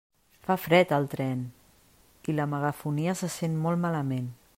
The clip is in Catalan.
Fa fred al tren i la megafonia se sent molt malament.